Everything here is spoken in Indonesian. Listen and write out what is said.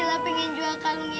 apaan sih kamu